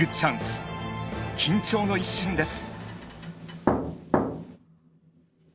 緊張の一瞬です。